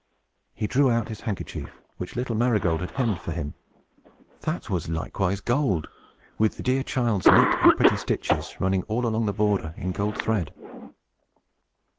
He drew out his handkerchief, which little Marygold had hemmed for him. That was likewise gold, with the dear child's neat and pretty stitches running all along the border, in gold thread!